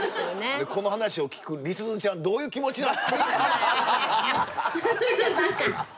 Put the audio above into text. でこの話を聞くりすずちゃんどういう気持ちなの？